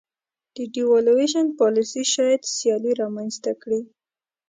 د devaluation پالیسي شاید سیالي رامنځته کړي.